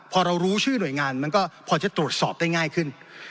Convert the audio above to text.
พอเรารู้ชื่อหน่วยงานมันก็พอจะตรวจสอบได้ง่ายขึ้น